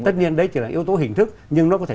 tất nhiên đấy chỉ là yếu tố hình thức nhưng nó có thể